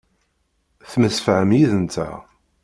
Temsefham yid-nteɣ.